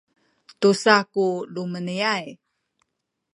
tusa ku lumeni’ay